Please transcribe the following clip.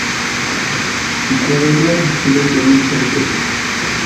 იკვებებიან მცირე ზომის თევზებით.